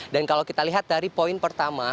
dan kalau kita lihat dari poin pertama